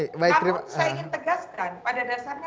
saya ingin tegaskan